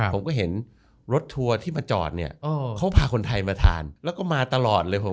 ผมก็เห็นรถทัวร์ที่มาจอดเนี่ยเขาพาคนไทยมาทานแล้วก็มาตลอดเลยผม